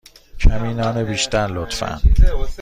کمی نان بیشتر، لطفا.